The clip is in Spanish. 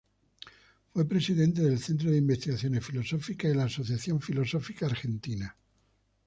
Fue Presidente del Centro de Investigaciones Filosóficas y la Asociación Filosófica Argentina.